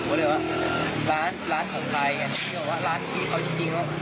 ก็เลยว่าร้านของใครพี่เขาว่าร้านพี่เขาจริง